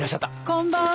こんばんは。